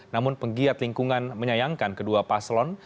namun penggiat lingkungan menyayangkan kedua paslon